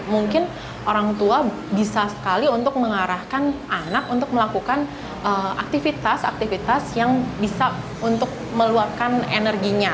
mungkin orang tua bisa sekali untuk mengarahkan anak untuk melakukan aktivitas aktivitas yang bisa untuk meluapkan energinya